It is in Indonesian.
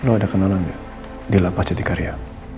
lo ada kenalan gak di lapas jatikarya